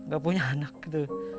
gak punya anak gitu